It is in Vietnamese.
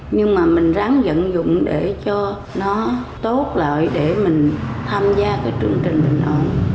nhưng mà mình ráng dẫn dụng để cho nó tốt lợi để mình tham gia cái chương trình bình ổn